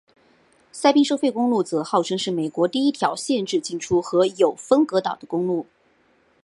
宾州收费公路则号称是美国第一条限制进出和有分隔岛的公路。